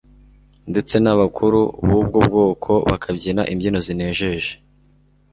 ndetse n'abakuru b'ubwo bwoko bakabyina imbyino zinejeje,